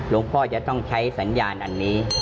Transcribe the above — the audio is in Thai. พ่อจะต้องใช้สัญญาณอันนี้